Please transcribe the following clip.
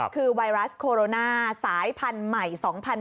คือไวรัสโคโรนาสายพันธุ์ใหม่๒๐๑๙